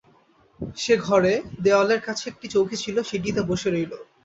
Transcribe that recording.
সে ঘরে দেওয়ালের কাছে একটা চৌকি ছিল সেইটেতে বসে রইল।